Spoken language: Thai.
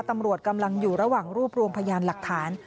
ตำรวจกำลังอยู่ระหว่างรวบรวมพยานหลักฐาน